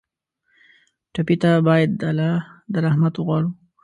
ټپي ته باید د الله رحمت وغواړو.